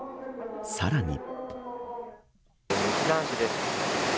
さらに。